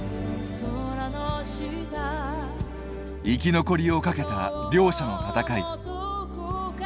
生き残りをかけた両者の戦い。